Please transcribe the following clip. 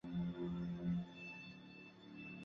科特兰县是美国纽约州中部偏西的一个县。